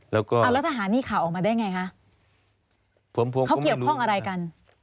แล้วก็เอาแล้วทหารนี่ข่าวออกมาได้ไงคะเขาเกี่ยวข้องอะไรกัน